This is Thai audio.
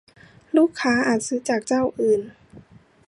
ลูกค้าอาจซื้อจากเจ้าอื่น